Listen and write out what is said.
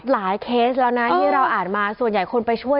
เคสแล้วนะที่เราอ่านมาส่วนใหญ่คนไปช่วย